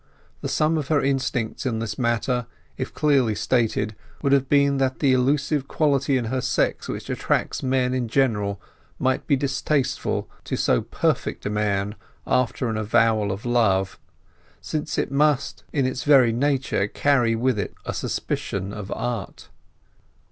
The sum of her instincts on this matter, if clearly stated, would have been that the elusive quality of her sex which attracts men in general might be distasteful to so perfect a man after an avowal of love, since it must in its very nature carry with it a suspicion of art.